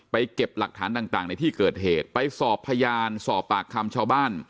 เก็บหลักฐานต่างในที่เกิดเหตุไปสอบพยานสอบปากคำชาวบ้าน